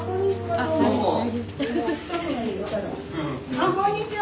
あこんにちは！